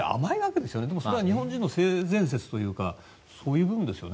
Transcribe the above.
でも、それは日本人の性善説というかそういう部分ですよね。